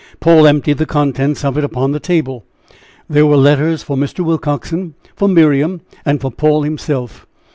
Paul emptied the contents of it upon the table. There were letters for Mr. Willcoxen, for Miriam, and for Paul himself.